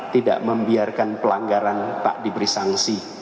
tidak membiarkan pelanggaran tak diberi sanksi